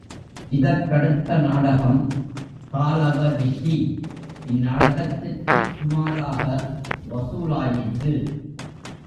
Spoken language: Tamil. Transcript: இதற்கடுத்த நாடகம் காலவ ரிஷி. இந்நாடகத்திற்குச் சுமாராக வசூலாயிற்று.